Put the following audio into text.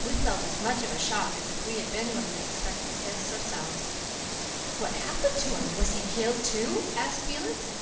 We felt as much of a shock as if we had been one of the expectant guests ourselves. "What happened to him? Was HE killed too?" asked Felix.